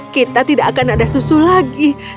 kita tidak akan ada susu lagi